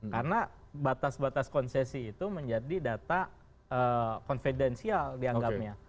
karena batas batas konsesi itu menjadi data konfidensial dianggapnya